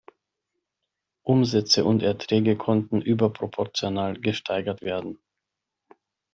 Umsätze und Erträge konnten überproportional gesteigert werden.